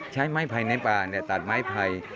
ใช้ไม้ไผ่ในป่าตัดไม้ไผ่